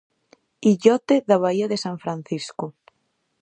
Illote da baía de San Francisco.